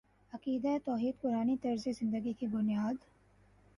عقیدہ توحید قرآنی طرزِ زندگی کی بنیاد